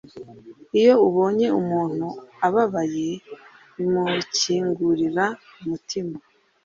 iyo abonye umuntu ababaye, bimukingurira umutima.